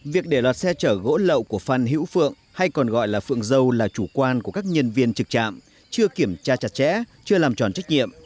việc để loạt xe chở gỗ lậu của phan hữu phượng hay còn gọi là phượng dâu là chủ quan của các nhân viên trực trạm chưa kiểm tra chặt chẽ chưa làm tròn trách nhiệm